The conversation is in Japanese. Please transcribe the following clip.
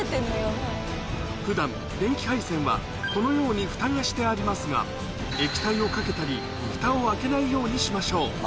ふだん、電気配線はこのようにふたがしてありますが、液体をかけたり、ふたを開けないようにしましょう。